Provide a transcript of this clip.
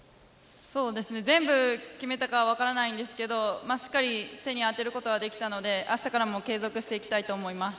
全部決めたかは分からないんですけどしっかり手に当てることができたので明日からも継続していきたいと思います。